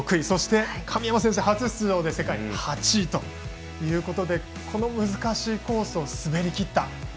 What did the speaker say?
そして神山選手、初出場で世界８位ということでこの難しいコースを滑りきった。